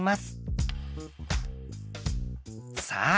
さあ